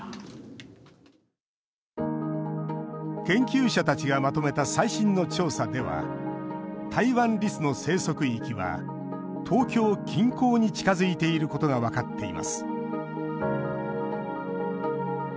研究者たちがまとめた最新の調査ではタイワンリスの生息域は東京近郊に近づいていることが分かっています。